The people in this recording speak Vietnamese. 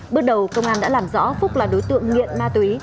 bước đầu công an đã làm rõ phúc là đối tượng nghiện ma túy